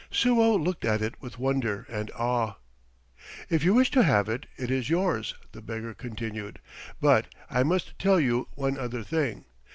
Suo looked at it with wonder and awe. "If you wish to have it, it is yours," the beggar continued. "But I must tell you one other thing.